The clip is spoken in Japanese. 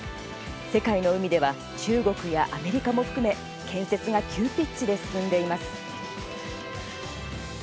世界の海では中国やアメリカも含め建設が急ピッチで進んでいます。